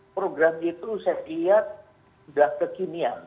program itu saya lihat sudah kekinian